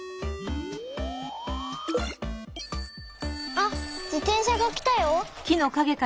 あっじてんしゃがきたよ。